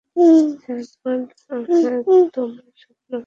হ্যাঁ, তখন তোমার স্বপ্ন ভেঙে যায়।